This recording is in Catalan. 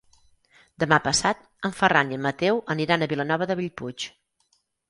Demà passat en Ferran i en Mateu aniran a Vilanova de Bellpuig.